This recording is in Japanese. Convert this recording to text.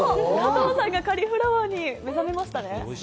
加藤さんがカリフラワーに目覚めましたね。